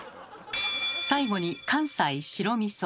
最後に関西白みそ。